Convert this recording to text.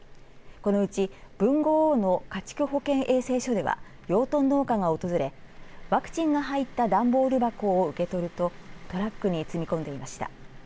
このうち豊後大野家畜保健衛生所では養豚農家が訪れワクチンが入った段ボール箱を受け取るとトラックに積み込んでいました。